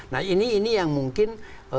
nah ini yang mungkin